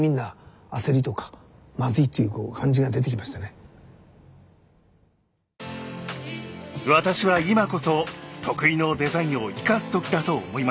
私は今こそ得意のデザインを生かす時だと思いました。